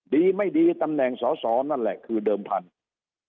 ดีไม่ดีตำแหน่งสอสอนั่นแหละคือเดิมพันธุ์